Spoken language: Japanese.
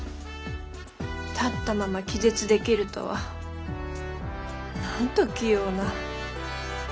立ったまま気絶できるとはなんと器用な。